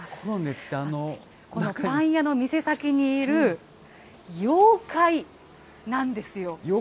パン屋の店先にいる妖怪なんですよ。